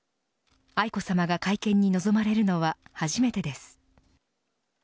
愛子さまが会見に臨まれるのは初めてです。